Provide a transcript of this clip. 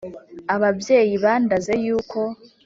ababyeyi bandaze yuko